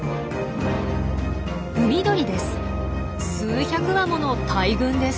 海鳥です。